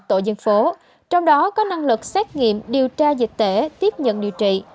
tổ dân phố trong đó có năng lực xét nghiệm điều tra dịch tễ tiếp nhận điều trị